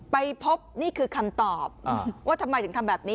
ไปพบนี่คือคำตอบว่าทำไมถึงทำแบบนี้